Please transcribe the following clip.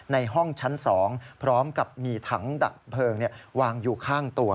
ในห้องชั้น๒พร้อมกับมีถังดับเพลิงวางอยู่ข้างตัว